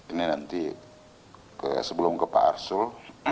ini nanti sebelum ke pak arsul